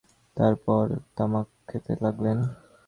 তারপর স্বামীজী কিছুক্ষণ চুপ করে বসে তামাক খেতে লাগলেন।